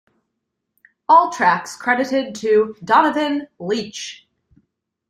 All tracks credited to Donovan Leitch.